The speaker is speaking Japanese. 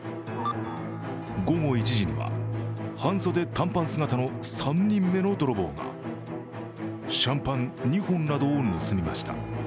午後１時には半袖・短パン姿の３人目の泥棒がシャンパン２本などを盗みました。